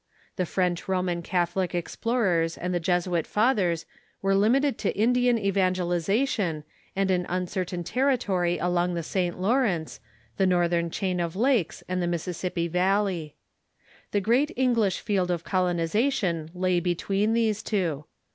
The French Roman Catholic ex plorers and the Jesuit fathers were limited to Indian evan gelization and an uncertain territory along the St. Lawrence, the northern chain of lakes, and the Mississippi valley. The great English field of colonization lay between these two.